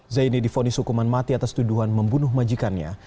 zaini difonis hukuman mati atas tuduhan membunuh majikannya